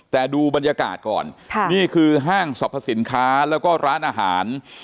แต่ดูบรรยากาศก่อนนี่คือห้างสรรพสินค้าแล้วก็ร้านอาหาร